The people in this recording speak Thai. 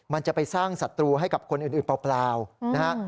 มันจะไปสร้างศัตรูให้กับคนอื่นเปล่านะฮะ